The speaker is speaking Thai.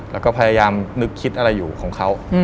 แล้วก็พยายามนึกคิดอะไรอยู่ของเขา